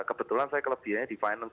kebetulan saya kelebihannya di finance